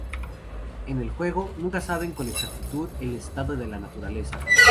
En el juego, nunca saben con exactitud el estado de la naturaleza.